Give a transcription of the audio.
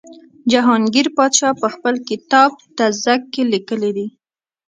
جهانګیر پادشاه په خپل کتاب تزک کې لیکلي دي.